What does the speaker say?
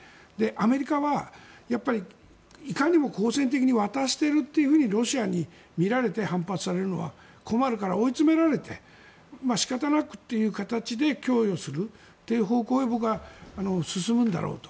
アメリカはいかにも好戦的に渡しているとロシアに見られて反発されるのは困るから追い詰められて仕方なくという形で供与するという方向へ僕は進むんだろうと。